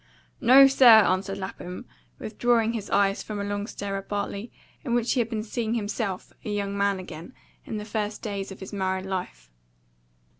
"No, sir," answered Lapham, withdrawing his eyes from a long stare at Bartley, in which he had been seeing himself a young man again, in the first days of his married life.